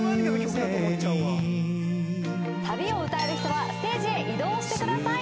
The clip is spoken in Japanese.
サビを歌える人はステージへ移動してください。